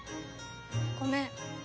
ごめん。